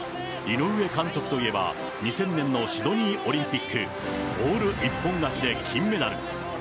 井上監督といえば、２０００年のシドニーオリンピック、オール一本勝ちで金メダル。